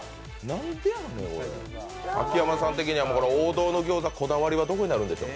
秋山さん的には王道のギョーザこだわりはどこになるんでしょう？